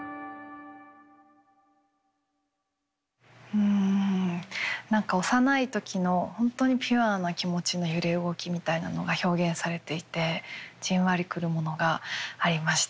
うん何か幼い時の本当にピュアな気持ちの揺れ動きみたいなのが表現されていてじんわり来るものがありました。